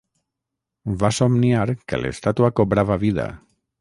Va somniar que l'estàtua cobrava vida.